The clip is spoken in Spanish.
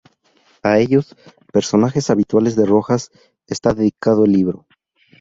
A ellos, personajes habituales de Rojas, está dedicado el libro.